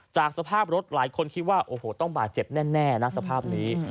จากสภาพรถหลายคนคิดว่าโอ้โหต้องบาดเจ็บแน่นะสภาพนี้